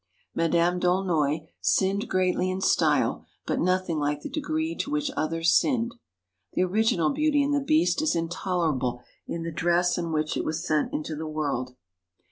Madame D'Aulnoy sinned greatly in style, but nothing like the degree to which others sinned. The original ' Beauty and the Beast ' is intolerable in the dress in which it was sent into the world.